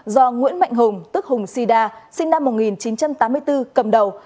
do nguyễn mạnh hùng tức hùng sida sinh năm một nghìn chín trăm tám mươi bốn cầm đầu